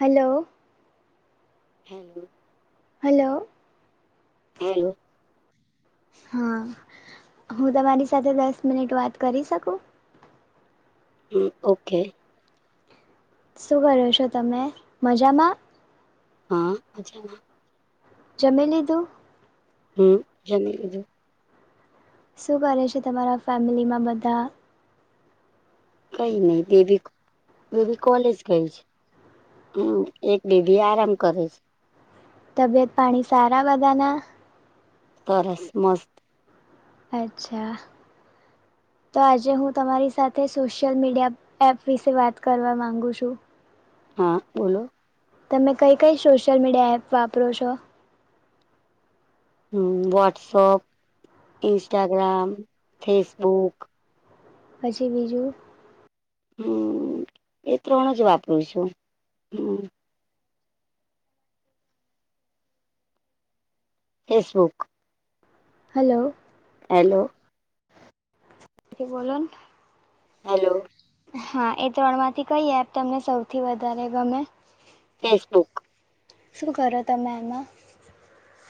Hello hello hello hello હા હું તમારી સાથે દસ મિનિટ વાત કરી શકું. હુ ઓકે શું કરો છો તમે મજામાં હા મજામાં જમી લીઘુ હુ જમી લીઘુ શું કરે છે તમારા ફેમિલીમાં બધા કઈ નઈ બેબી બેબી કોલેજ ગઈ છે. હું એક બેબી આરામ કરે છે. તબિયત પાણી સારા બધાના સરસ મસ્ત અચ્છા. તો આજે હું તમારી સાથે સોશિયલ મીડિયા એપ વિશે વાત કરવા માંગુ છું. હા બોલો તમે કઈ કઈ સોશિયલ મીડિયા એપ વાપરો છો. હું વોટ્સઅપ, ઇન્સ્ટસ્ટાગ્રામ, ફેસબુક પછી બીજું હમ એ ત્રણ જ વાપરું છું હમ ફેસબુક હલો હેલો તે બોલો ને. હાલો. હા એ ત્રણ માંથી કઈ એ તમને સૌથી વધારે ગમે? ફેસબુક. શું કરો તમે એમાં?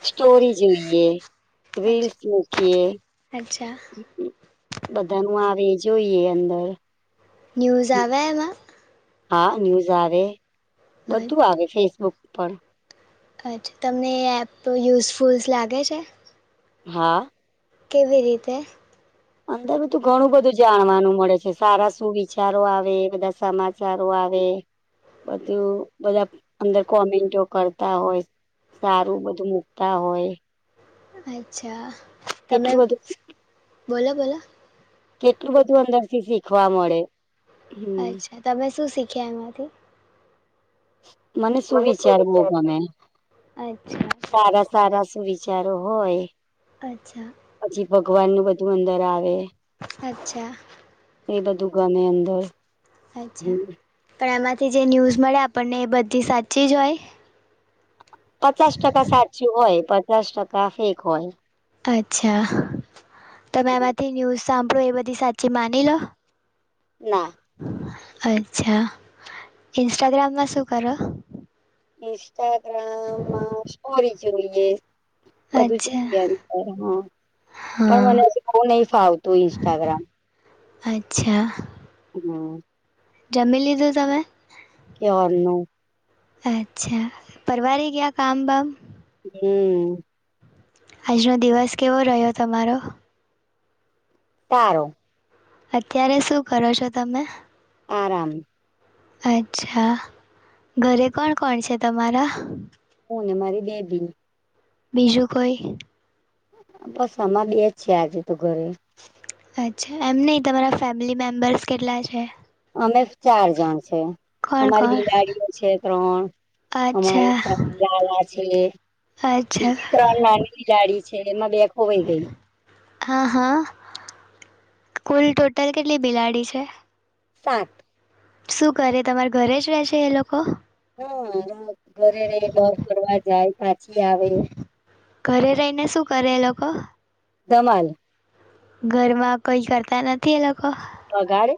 સ્ટોરી જોઈએ, અચ્છા રીલ્સ મુકીએ. અચ્છા બધા નુ આવે જોઈએ અંદર. ન્યૂઝ આવે એમાં હા ન્યૂઝ આવે. બધું આવે ફેસબુક પર. અચ્છા તમને એ એપ યુઝફુલ્સ લાગે છે. હાં. કેવી રીતે? અંદર તો ઘણું બધું જાણવાનું મળે છે. સારા સુું વિચારો આવે એ, બધા સમાચારો આવે. બધું બધા અંદર કોમેન્ટો કરતા હોય. સારું બધું મુકતા હોય. અચ્છા. તમે કેટલું બધું બોલો બોલો. કેટલું બધું અંદરથી શીખવા મળે. હમ અચ્છા તમે શું શીખ્યા એમાંથી? મને શું વિચાર બો ગમે, સારા સારા શું વિ વિચારો હોય અચ્છા પછી ભગવાન નુ બધું અંદર આવે. અચ્છા અચ્છા એ બધું ગમે અંદર. અચ્છા હમ પણ એમાંથી જે ન્યૂઝ મળે આપણને એ બધી સાચી જ હોય. પચાસ ટકા સાચું હોય, પચાસ ટકા ફેક હોય. અચ્છા તમે એમાંથી ન્યૂઝ સાંભળો એ બધી સાચી માની લો? ના [inaudible] અચ્છા ઇન્સ્ટાગ્રામમાં શું કરો? ઇન્સ્ટાગ્રામમાં સ્ટોરી જોઈએ. બધું અચ્છા જો હા. પણ હા મને હ બહુ નહી ફાવતું ઇન્સ્ટાગ્રામ. અચ્છા. હમ્મ. જમી લીધું તમે? કયાર નું. અચ્છા પરવારી ગીયા કામ બામ. હમ્મ. આજનો દિવસ કેવો રહ્યો તમારો? સારો. અત્યારે શું કરો છો તમે? આરામ. અચ્છા ઘરે કોણ કોણ છે તમારા? હુને મારી બેબી. બીજું કોઈ? બસ આમામાં બે જ છે આજે તો ઘરે. અચ્છા એમ નહીં તમારા ફેમિલી મેમ્બર્સ કેટલા છે? અમે ચાર જણ છે. કોણ અમારી કોણ બિલાડીઓ છે ત્રણ. અચ્છા [unintelligible] અચ્છા ત્રણનાની બિલાડી છે. એમાં બે ખોવાઈ ગઈ. હા હા કુલ ટોટલ કેટલી બિલાડી છે? સાત શું કરે તમારા ઘરે જ રહે છે એ લોકો હા ઘરે રહી બાર ફર જાય પાછી આવે ઘરે રહીને શું કરે એ લોકો ધમલ ઘરમાં કઈ કરતા નથી એ લોકો બગાડે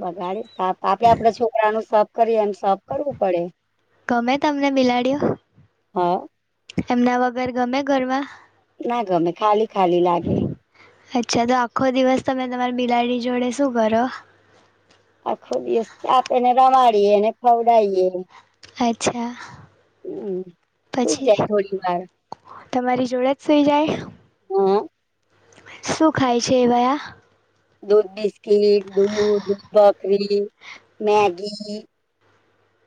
બગાડે સાપ આપડે આપડે છોકરા નું સફ કરીએ એમ સફ કરવું પડે ગમે તમને મિલાડયો હા એમના વગર ગમે ઘરમાં ના ગમે ખાલી ખાલી લાગે અચ્છા તો આખો દિવસ તમે તમારી બિલાડી જોડે શું કરો આખું દિવસ ચાપેને રમાડીએ ને ખવડાયએ અચ્છા હમ સુઈ જાય પછી થોડી વાર તમારી જોડ જ સઈ જાય હા શું ખાય છે એવાયા દધ બિસ્કીટ દધધ બકરી મેગી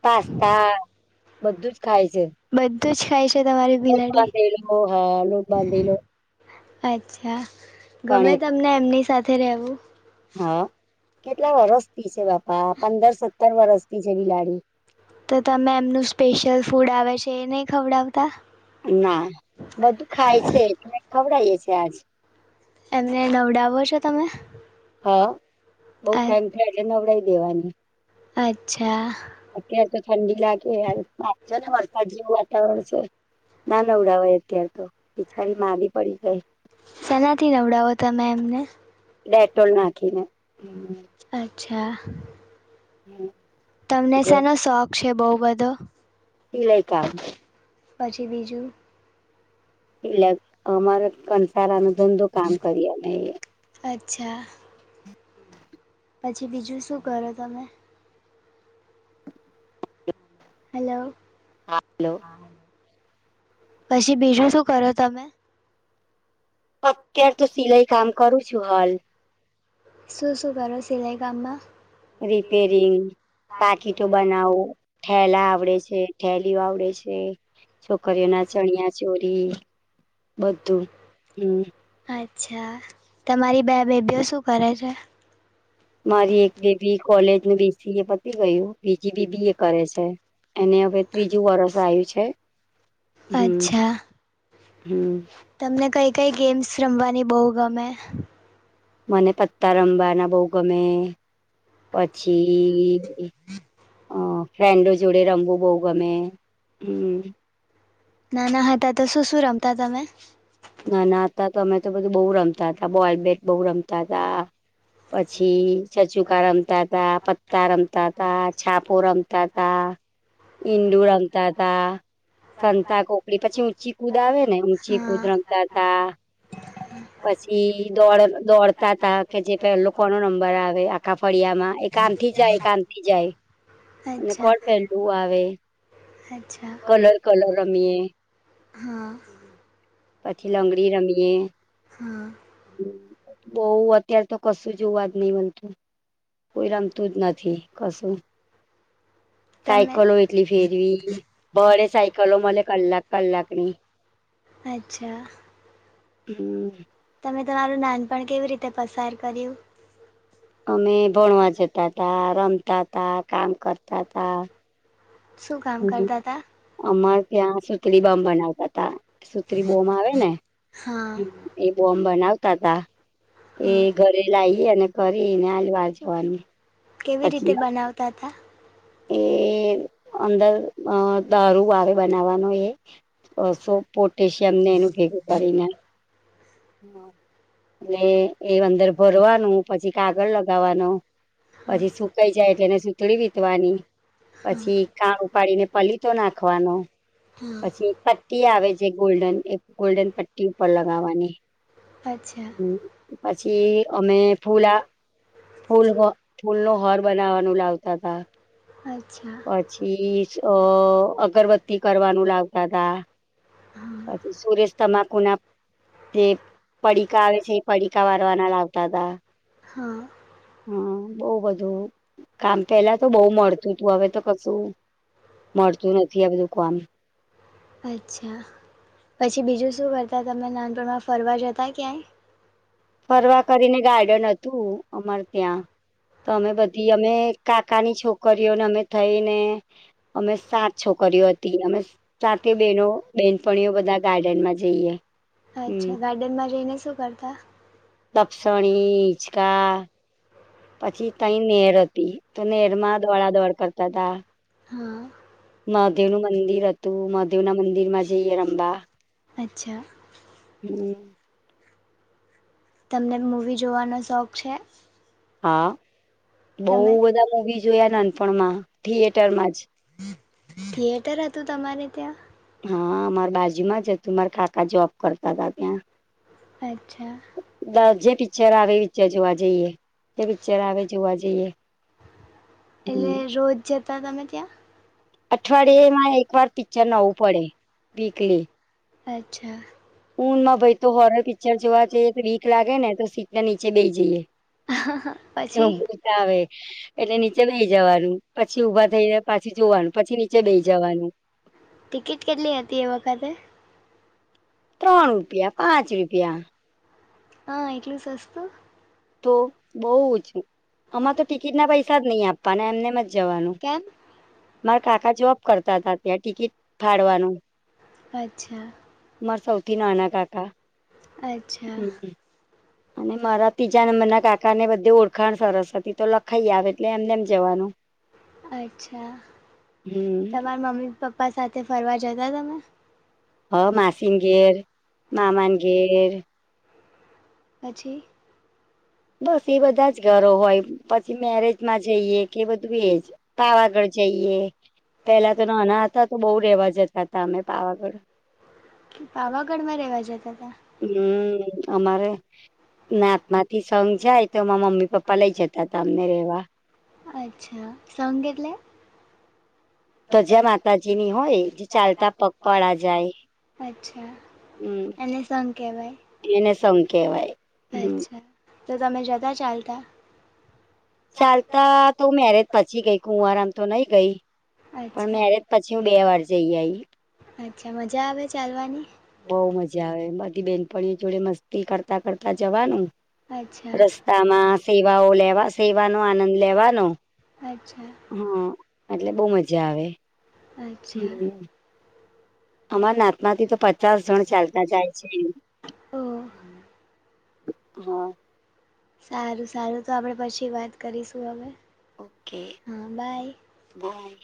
પાસ્તા બધું જ ખાય છે તું જ ખાય છે તમારી લોટ બિલાડી બાંધેલો હા લોટ બાંધેલો અચ્છા ગમે કણેક તમને એમની સાથે રહેવું હા કેટલા વરસથી છે બાપા પંદર સત્તર વરસથી છે બિલાડી તો તમે એમનું સ્પેશિયલ ફૂડ આવે છે એ નહી ખવડાવ ના બધું ખાય છે ખવડાયે છે આજ એમને નવડાવો છો તમે હા બઉ અ- ટાઈમથી એટલે નવડાઈ દેવાની અચ્છા અત્યારે તો ઠંડી લાગે આજોને વરસાદ જેવું વાતાવરણ છે ના નવડાય અત્યારેતો બિચારી મારી પડી જાય સલાથી નવડાવો તમે એમને ડેટોલ નાખીને છે હમ તમને શાનો શોખ છે બહુ બધો સિલાઈ કામ પછી બીજું એટલે અમારે કંસારાનો ધંધો કામ કરીએ અચ્છા પછી બીજું શું કરો તમે હલો હા હલો પછી બીજું શું કરો તમે અત્યારેતો સિલાઈ કામ કરું છું હાલ સુસુઘ સિલાઈ કામમાં રિપેરિંગ પાકીટો બનાવો ઠેલા આવડે છે ઠેલીઓ આવડે છે છોકરીઓના ચણિયા ચોરી બધું હમ અચ્છા તમારી બે બેબીઓ શું કરે છે મારી એક બેબી કોલેજ નું બીસીએ પતી ગયું બીજી બી બી એ કરે છે એને હવે ત્રીજું વરર્ષ આવ્યું છે હમ અચ્છા હમ કંઈ ગેમ્સ રમવાની બહુ ગમે મને પત્તા રમવાના બહુ ગમે પછી અ ફ્રેન્ડો જોડે રમવું બહુ ગમે હમ ના ના હતા તો શું શું રમતા તમે ના ના હતા તો અમે તો બધું બહુ રમતા હતા બોલ બેટ બહુ રમતા હતા પછી છચુકા રમતા તા પત્તા રમતા તા છાપો રમતા તા ઇંડુ રમતા તા સંતા કોકરી પછી ઊંચી કૂદ આવે ને ઊંચી કૂદ હા રમતા તા પછી દોડ દોડતા તા કે જે પેલો કોનો નંબર આવે આખા ફળિયામાં એક આમ થી જાય‌ એક આમ થી જાય અને અચ્છા કોણ પહેલું આવે અચ્છા કલર કલર રમીએ હા પછી લંગડી રમીએ હા બહુ અત્યારે તો કશું જોવા જ નહી મળનતું કોઈ રમતું જ નથી કશું [inaudible] [inaudible] સાયકલો એટલી ફેરવી ભડૈ સાયકલો મળે કલાક કલાકની અચ્છા હમ તમે તમારું નાન પણ કેવી રીતે પસાર કર્યું? અમે ભણવા જતા તા રમતા તા કામ કરતા તા. શું કામ કરતા તા? અમારે ત્યાં સુતરી બમ બનાવતા તા સુત્રી બોમ આવે ને. હા એ બોમ બનાવતા તા. એ હા ઘરે લાઈ અને ફરીને હાલ વાર જવાની. કેવી રીતે બનાવતા હતા? એ અંદર મ દારૂ વારુ બનાવાનું એ અ સો પોટેશિયમ નેમ ભેગું કરીને. હ અને એ અંદર ભરવાનું પછી કાગળ લગાવાનું. હા પછી સુકાઈ જાય એટલે એને સુતડી વીતવાની પછી કા હા ઉપાડીને પલી તો નાખવાનો હા પછી એક પટ્ટી આવે જે ગોલ્ડન એ ગોલ્ડન પટ્ટી ઉપર લગાવાની અચ્છા કે અમે ફૂલા ફૂલહ ફૂલો ઘર બનાવાનું લાવતા તા. અચ્છા પછી અ અગરબત તી કરવાનું લાવતા તા હા પછી સુરેશ તમાકુના જે પડીકા આવે છે એ પડીકા વારવાના લાવતા હતા. હા. હા બઉ બધું કામ પેલા તો બઉ મળતું. તું હવે તો કશું મળતું નથી આ બધું કોમ. અચ્છા. પછી બીજું શું કરતા તમને નાનપણમાં ફરવા જતા ક્યાંય ફરવા કરીને ગાર્ડન હતું અમારે ત્યાં. તો અમે બધી અમે કાકાની છોકરીઓને અમે થઈ ને [inaudible] [inaudible] અમે સાત છોકરીઓ હતી અમે સાતે બેહેનો બેનપણીઓ બધા ગાર્ડનમાં જઈએ. હમ અચ્છા ગાર્ડનમાં જઈને શું કરતા? લપસણી હીંચકા પછી તઈ નેર હતી તો નેરમાં દોડા દોડ કરતા તા. હા. મહાદેવનું મંદિર હતું મહાદેવના મંદિર માં જઈએ રમવા. અચ્છા. હમ. તમને મૂવી જોવાનો શોખ છે? હા બઉ તમે બધા મુવી જોયા નાનપણમાં થિયેટર માં જ. થિયેટર હતું તમારે ત્યાં હા અમારા બાજુમાં જ હતું મારા કાકા જોબ કરતા તા ત્યાં. અ બ જે પીચર આવે પીચર જોવા જઈએ. તે પિચર આવે જોવા જઈએ. એટલે રોજ જતા તમે ત્યાં. અઠવાડિયે માંરે એક વાર પિચર નવું પડે વીકલી. અચ્છા. ઉનમાં ભાઈ તો હોરર પિચર જોવા જઈએ તો બીક લાગે ને તો સીટ ના નીચે બેઈ જઈએ. હા હા. એ ભૂત આવે એટલે નીચે બેહી જવાનું પછી ઊભા થઈને પાછી જોવાનું પછી ની ટિકિટ કેટલી હતી એ વખતે? ત્રણ રૂપિયા પાંચ રૂપિયા. હા એટલું જ સસ્તું? તો બહુ ઓછી, આમાં તો ટિકિટ ના પૈસા જ નહી આપવાના એમનેમ જ જવાનું. કેમ મારા કાકા જોબ કરતા હતા ત્યાં ટિકિટ ફાળવાનું. અચ્છા મારા સૌથી નાના કાકા, અચ્છા હમ. અને મારા ત્રીજાં મરના કાકા ને બધે ઓળખાણ સરસ હતી તો લખાઈ આવે એટલે એમને એમ જવાનું. અચ્છા, હમ તમાર મમ્મી પપ્પા સાથે જદા તમે? હ માસીન ઘેર, મામાન ઘેર. પછી? બસ એ બધા જ ઘરો હોય પછી મેરેજમાં જઈએ કે બધું એજ પાવાગઢ જઈએ, પેલા તો નોના હતા તો બહુ રેવા જતા હતા અમે પાવાગઢ. પાવાગઢ માં રહેવા જ હમ અમારે નાત માંથી સઘ જાય તો એમાં મમ્મી પપ્પા લઇ જતા હતા અમને રેવા. અચ્છા સંઘ એટલે? તો જ્યાં માતાજીની હોય જે ચાલતા પગપાળા જાય. અચ્છા હમ, એને સંઘ કહેવાય એને સંઘ કેવાય. અચ્છા, તો તમે જતા ચાલતા? ચાલતા તો મેરેજ પછી ગઈ કુંવારમ તો નઈ ગઈ. પણ અચ્છા મેરેજ પછી હું બે વાર જઈ આઈ.. અચ્છા મજા આવે ચાલવાની? બહુ મજા આવે બધી બેનપણી જોડે મસ્તી કરતા કરતા જવાનું. અચ્છા રસ્તામાં સેવાઓ લેવા સેવાનો આનંદ લેવાનો. અચ્છા હા એટલે બહુ મજા આવે. અચ્છા. હમ અમારા નાતમાંથી તો પચાસ જણ ચાલતા જાય છે. ઓહ હા. સારું સારું તો આપડે પછી વાત કરીશું હવે. ઓકે, હા બાય બાઈ.